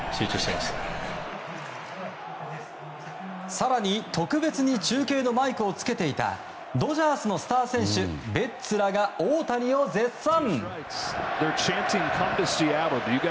更に、特別に中継のマイクを着けていたドジャースのスター選手ベッツらが大谷を絶賛。